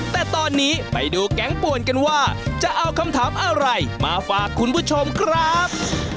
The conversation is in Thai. แต่ตอนนี้ไปดูแก๊งป่วนกันว่าจะเอาคำถามอะไรมาฝากคุณผู้ชมครับ